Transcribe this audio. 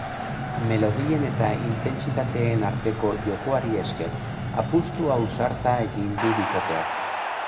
Melodien eta intentsitateen arteko jokoari esker, apustu ausarta egin du bikoteak.